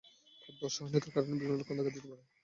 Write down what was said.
খাদ্যে অসহনীয়তার কারণে বিভিন্ন লক্ষণ দেখা দিতে পারে।